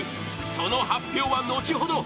その発表は、後ほど！